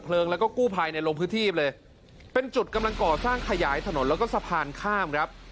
แล้วก็กู้ภัยเนี่ยลงพื้นที่เลยเป็นจุดกำลังก่อสร้างขยายถนนแล้วก็สะพานข้ามครับ